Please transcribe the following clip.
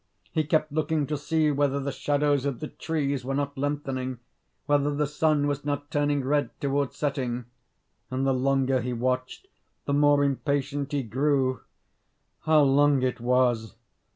He kept looking to see whether the shadows of the trees were not lengthening, whether the sun was not turning red towards setting; and, the longer he watched, the more impatient he grew. How long it was!